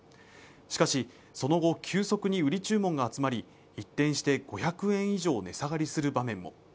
しかしその後急速に売り注文が集まり、一転して５００円以上値下がりする場面も。